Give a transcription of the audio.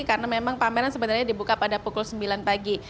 karena memang pameran sebenarnya dibuka pada pukul sembilan pagi